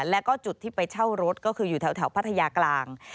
แล้วก็จุดที่ไปเช่ารถก็คืออยู่แถวพัทยากลาง